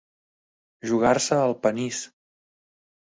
Jugar-se el panís.